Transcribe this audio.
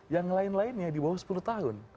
yang lain lainnya di bawah sepuluh tahun